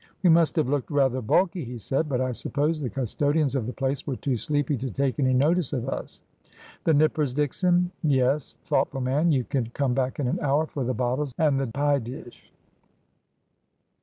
' We must have looked rather bulky,' he said ;' but I suppose the custodians of the place were too sleepy to take any notice of us. The nippers, Dickson ? Yes ! Thoughtful man ! You can come back in an hour for the bottles and the pie dish.'